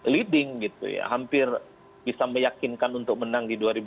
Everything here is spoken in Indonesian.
leading gitu ya hampir bisa meyakinkan untuk menang di dua ribu dua puluh